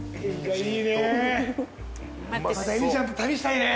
いいね。